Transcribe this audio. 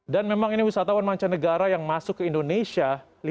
dan memang ini wisatawan mancanegara yang masuk ke indonesia